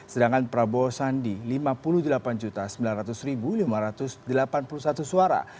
sedangkan prabowo sandi lima puluh delapan sembilan ratus lima ratus delapan puluh satu suara